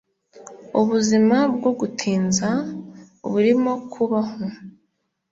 ubuzima bwo gutinza burimo kubaho